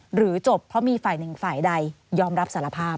หรือจบเพราะมีฝ่ายหนึ่งฝ่ายใดยอมรับสารภาพ